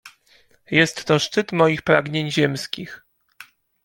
Jest to szczyt moich pragnień ziemskich.